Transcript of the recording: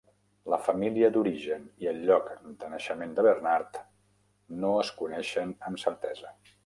La família d'origen i el lloc de naixement de Bernard no es coneixen amb certesa.